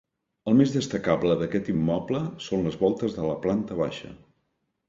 El més destacable d'aquest immoble són les voltes de la planta baixa.